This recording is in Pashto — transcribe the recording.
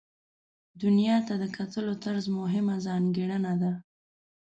دنیا ته د کتلو طرز مهمه ځانګړنه ده.